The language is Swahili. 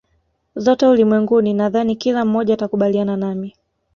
zote ulimwenguni Nadhani kila mmoja atakubaliana nami